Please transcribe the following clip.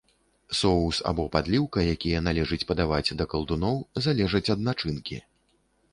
Соус або падліўка, якія належыць падаваць да калдуноў, залежаць ад начынкі.